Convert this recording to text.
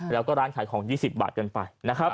แล้วก็ร้านขายของ๒๐บาทกันไป